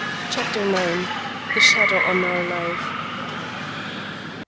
CHAPTER IX. THE SHADOW ON OUR LIFE.